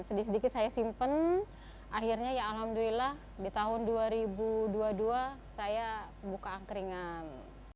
sedikit sedikit saya simpen akhirnya ya alhamdulillah di tahun dua ribu dua puluh dua saya buka angkringan